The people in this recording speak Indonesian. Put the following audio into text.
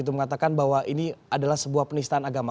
mengatakan bahwa ini adalah sebuah penistaan agama